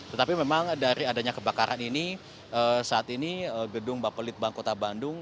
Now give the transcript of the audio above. tetapi memang dari adanya kebakaran ini saat ini gedung bapelitbang kota bandung